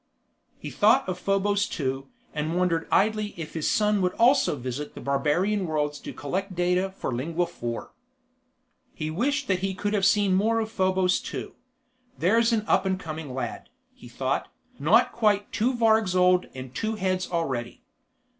He thought of Probos Two and wondered idly if his son would also visit the barbarian worlds to collect data for Lingua Four. He wished that he could have seen more of Probos Two. There's an up and coming lad, he thought, not quite two vargs old and two heads already.